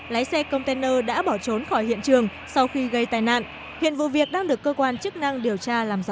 lái xe container đã bỏ trốn khỏi hiện trường sau khi gây tai nạn hiện vụ việc đang được cơ quan chức năng điều tra làm rõ